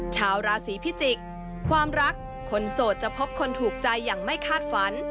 ชาวราศีพิจิกษ์ความรักคนโสดจะพบคนถูกใจอย่างไม่คาดฝัน